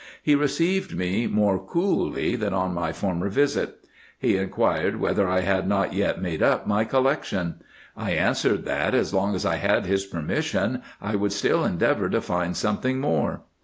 He received me more coolly than on my former visit. He inquired whether I had not yet made up my collection. I answered, that, 1! B 186 RESEARCHES AND OPERATIONS as long as I had his permission, I would still endeavour to find something more.